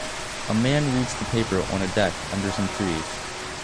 A man reads the paper on a deck under some trees